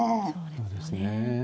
そうですね。